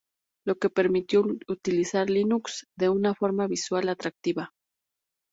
Lo que permite utilizar Linux de una forma visual atractiva.